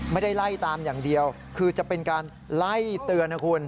ไม่ได้ไล่ตามอย่างเดียวคือจะเป็นการไล่เตือนนะคุณ